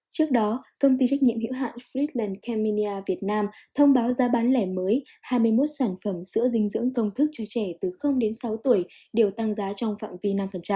trước đó công ty trách nhiệm hiệu hạn fretland cammenia việt nam thông báo giá bán lẻ mới hai mươi một sản phẩm sữa dinh dưỡng công thức cho trẻ từ đến sáu tuổi đều tăng giá trong phạm vi năm